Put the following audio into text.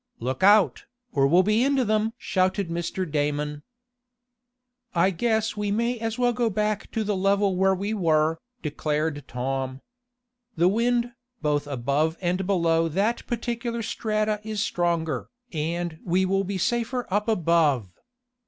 "Look out, or we'll be into them!" shouted Mr. Damon. "I guess we may as well go back to the level where we were," declared Tom. "The wind, both above and below that particular strata is stronger, and we will be safer up above.